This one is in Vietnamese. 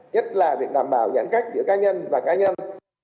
nhất là việc đảm bảo giãn cách giữa ca nhân và ca nhân